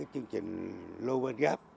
chương trình lô bên gáp